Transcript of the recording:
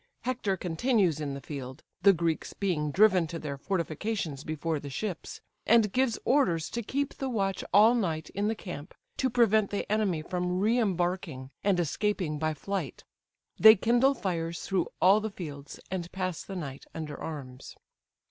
Hector continues in the field, (the Greeks being driven to their fortifications before the ships,) and gives orders to keep the watch all night in the camp, to prevent the enemy from re embarking and escaping by flight. They kindle fires through all the fields, and pass the night under arms.